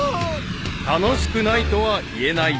［楽しくないとは言えない］